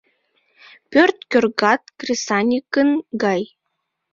Пӧрт кӧргат кресаньыкын гай.